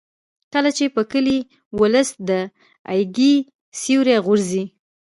کله چې په کلي ولس د ایږې سیوری غورځي.